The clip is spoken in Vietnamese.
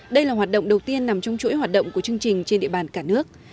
đây là hoạt động đầu tiên nằm trong chuỗi hoạt động của chương trình trên địa bàn cả nước